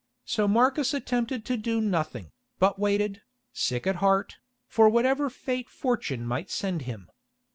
So Marcus attempted to do nothing, but waited, sick at heart, for whatever fate fortune might send him.